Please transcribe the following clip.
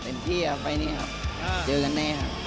ที่เอาไปนี่ครับเจอกันแน่ครับ